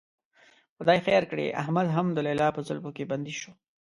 خدای خیر کړي، احمد هم د لیلا په زلفو کې بندي شو.